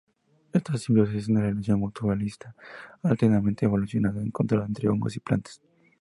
Esta simbiosis es una relación mutualista altamente evolucionada encontrada entre hongos y plantas.